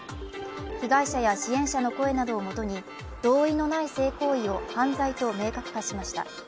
被害者や支援者の声などをもとに、同意のない性行為を犯罪と明確化しました。